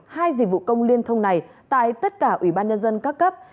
hai dịch vụ công liên thông này tại tất cả ủy ban nhân dân các cấp